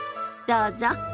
どうぞ。